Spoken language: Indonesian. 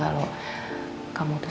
biar dia ngerasa juga kalo